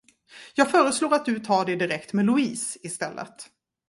Jag föreslår att du tar det direkt med Louise, istället.